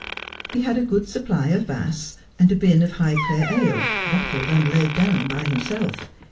He Lad a good supply of Bass, and a bin of Highclere ale, bottled and laid down by himself.